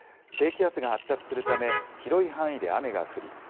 低気圧が発達するため広い範囲で雨が降り